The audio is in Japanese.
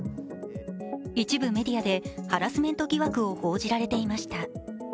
一部メディアでハラスメント疑惑を報じられていました。